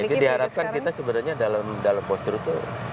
nah ini diharapkan kita sebenarnya dalam postur itu